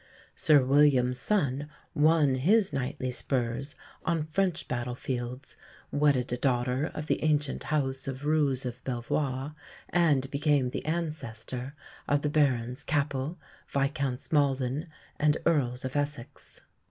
Sir William's son won his knightly spurs on French battlefields, wedded a daughter of the ancient house of Roos of Belvoir, and became the ancester of the Barons Capel, Viscounts Malden, and Earls of Essex.